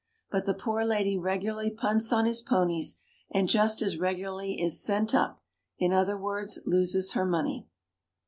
But the poor lady regularly punts on his ponies, and just as regularly is "sent up" in other words, loses her money.